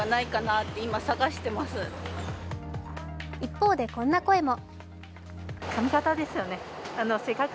一方で、こんな声も。